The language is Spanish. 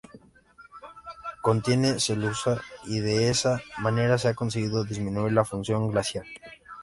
Contiene celulosa y, de esa manera, se ha conseguido disminuir la fusión glaciar.